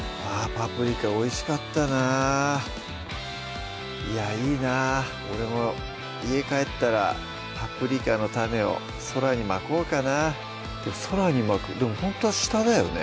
パプリカおいしかったないやいいなぁ俺も家帰ったらパプリカの種を空に蒔こうかな「空に蒔く」でもほんとは下だよね